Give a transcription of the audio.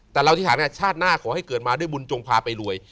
แต่เราอธิษฐานชาติหน้าขอให้เกิดมาด้วยบุญจงพาไปรวย